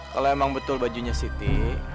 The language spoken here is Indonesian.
kalau emang betul bajunya city